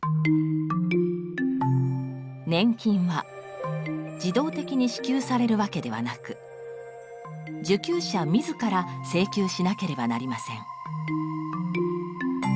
年金は自動的に支給されるわけではなく受給者自ら請求しなければなりません。